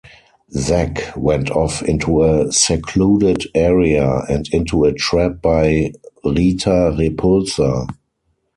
Zack went off into a secluded area, and into a trap by Rita Repulsa.